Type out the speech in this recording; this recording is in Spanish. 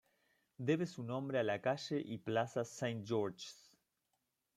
Debe su nombre a la calle y plaza Saint-Georges.